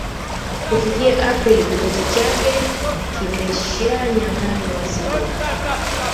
Kufikia Aprili kikosi chake kimeshanyanganywa silaha